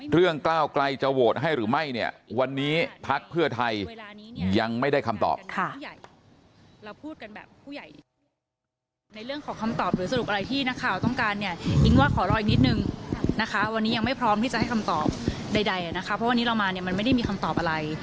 เรื่องก้าวกล่ายจะโหวตให้หรือไม่วันนี้พักษ์เพื่อไทยยังไม่ได้คำตอบ